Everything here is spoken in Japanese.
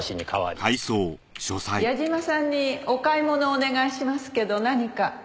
矢嶋さんにお買い物をお願いしますけど何か？